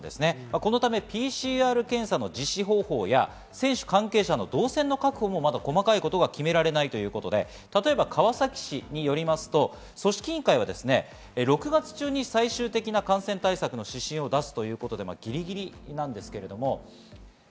このためＰＣＲ検査の実施方法や選手関係者の動線の確保も細かいことが決められないということで川崎市によりますと組織委員会は、６月中に最終的なコロナ対策の指針を発表します。